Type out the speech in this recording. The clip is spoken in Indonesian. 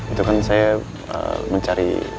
itu kan saya mencari